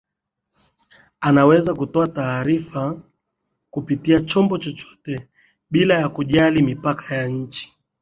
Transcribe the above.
anaweza kutoa taarifa kupitia chombo chochote bila ya kujali mipaka ya nchi